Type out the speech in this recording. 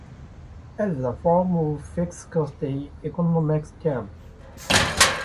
It is a form of fixed cost in economics terms.